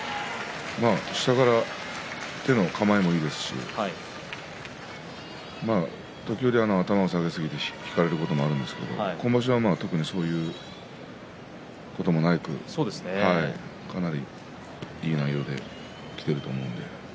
下から手の構えもいいですし時折、頭を下げすぎて引かれることもあるんですけれど今場所は特にそんなこともなくかなり、いい内容できていると思うので。